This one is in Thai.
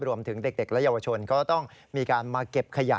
รวมถึงเด็กและเยาวชนก็ต้องมีการมาเก็บขยะ